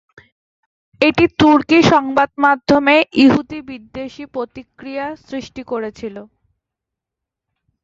এটি তুর্কি সংবাদমাধ্যমে ইহুদি-বিদ্বেষী প্রতিক্রিয়া সৃষ্টি করেছিল।